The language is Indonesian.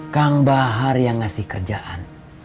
kang bahar yang ngasih kerjaan